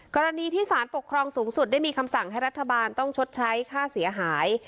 กรณีที่สารปกครองสูงสุดได้มีคำสั่งให้รัฐบาลต้องชดใช้ค่าเสียหาย